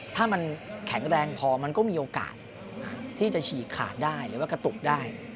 ถ้ามันแข็งแรงพอมันก็มีโอกาสที่จะฉีกขาดได้หรือว่ากระตุกได้